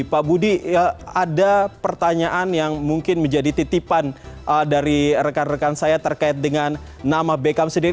pak budi ada pertanyaan yang mungkin menjadi titipan dari rekan rekan saya terkait dengan nama beckham sendiri